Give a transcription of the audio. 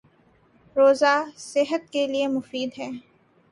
روزہ صحت کے لیے مفید ہے